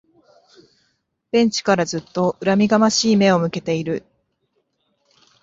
ベンチからずっと恨みがましい目を向けている